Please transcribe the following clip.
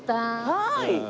はい。